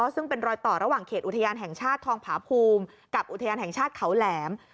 ซึ่งเป็นรอยต่อระหว่างเขตอุทยานแห่งชาติทองผาภูมิกับอุทยานแห่งชาติเขาแหลม